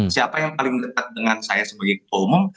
siapa yang paling dekat dengan saya sebagai ketua umum